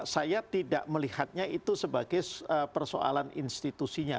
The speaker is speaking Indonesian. saya tidak melihatnya itu sebagai persoalan institusinya